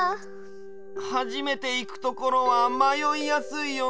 はじめていくところはまよいやすいよね。